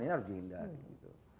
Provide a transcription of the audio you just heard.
ini harus dihindari